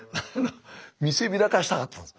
見せびらかしたかったんです。